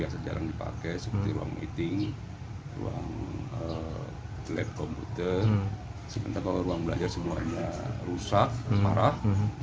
sekarang kalau ruang belajar semuanya rusak parah